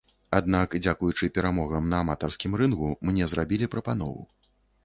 Аднак дзякуючы перамогам на аматарскім рынгу мне зрабілі прапанову.